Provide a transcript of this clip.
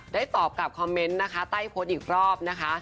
ตอบกับคอมเมนต์นะคะใต้โพสต์อีกรอบนะคะ